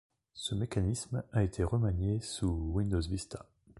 Ce mécanisme a été remanié sous Windows Vista.